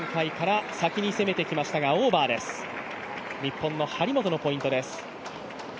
日本の張本のポイントです。